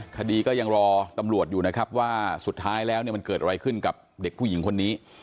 คดีก็ยังรอตำรวจอยู่นะครับว่าสุดท้ายแล้วเนี่ยมันเกิดอะไรขึ้นกับเด็กผู้หญิงคนนี้